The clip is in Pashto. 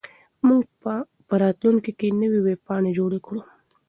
موږ به په راتلونکي کې نوې ویبپاڼې جوړې کړو.